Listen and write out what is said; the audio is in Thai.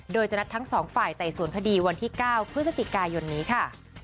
โดยจะนัดทั้งสองฝ่ายไต่สวนคดีวันที่๙พฤศจิกายนนี้ค่ะ